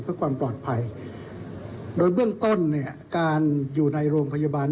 เพื่อความปลอดภัยโดยเบื้องต้นเนี่ยการอยู่ในโรงพยาบาล